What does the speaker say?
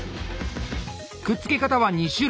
くっつけ方は２種類。